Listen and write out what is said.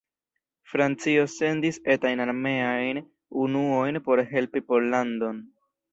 Francio sendis etajn armeajn unuojn por helpi Pollandon.